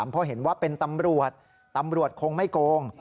เพราะเห็นว่าเป็นตำรวจตำรวจคงไม่โกง